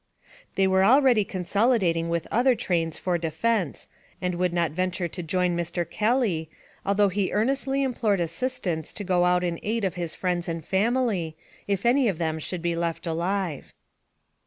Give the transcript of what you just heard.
They were already consolidating with other trains for defense, and would not venture to join Mr. Kelly, although he earnestly implored assistance to go out in aid of his friends and family, if any of them should be left alive.